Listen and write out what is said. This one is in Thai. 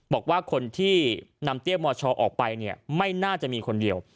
บอกว่าคนที่นำเตี้ยมชออกไปเนี่ยไม่น่าจะมีคนเดียว